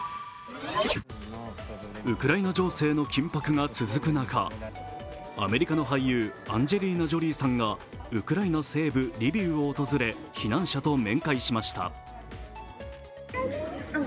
ウクライナ情勢の緊迫が続く中、アメリカの俳優アンジェリーナ・ジョリーさんがウクライナ西部リビウを訪れ、避難者と面会しました。